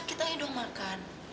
kok lupa ya